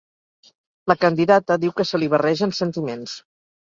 La candidata diu que se li barregen sentiments.